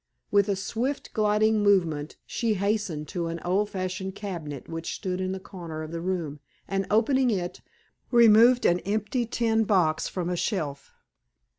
With a swift, gliding movement, she hastened to an old fashioned cabinet which stood in a corner of the room, and opening it, removed an empty tin box from a shelf.